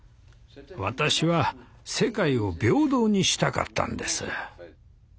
私は世界を平等にしたかったんです。